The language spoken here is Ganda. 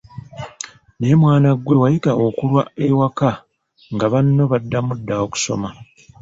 Naye mwana ggwe wayiga okulwa ewaka nga banno baddamu dda okusoma.